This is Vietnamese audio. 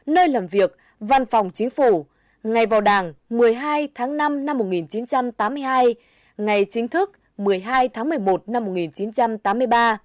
nơi làm việc văn phòng chính phủ ngay vào đảng một mươi hai tháng năm năm một nghìn chín trăm tám mươi hai ngày chính thức một mươi hai tháng một mươi một năm một nghìn chín trăm tám mươi ba